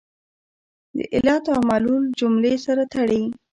د علت او معلول جملې سره تړي.